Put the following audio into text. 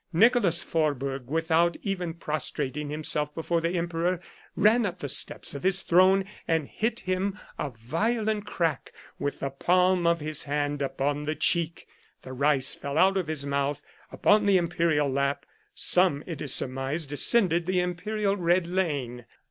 Nicolas Vorburg, without even prostrating himself before the emperor, ran up the steps of his throne, and hit him a violent 125 Curiosities of Olden Times crack with the palm of his hand upon the cheek. The rice fell out of his mouth upon the imperial lap, some, it is surmised, descended the imperial red lane.